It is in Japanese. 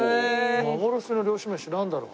幻の漁師めしなんだろう？